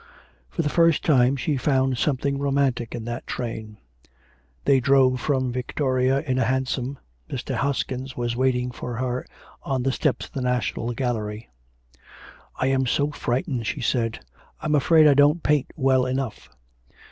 For the first time she found something romantic in that train. They drove from Victoria in a. hansom. Mr. Hoskin was waiting for her on the steps of the National Gallery. 'I'm so frightened,' she said; 'I'm afraid I don't paint well enough.'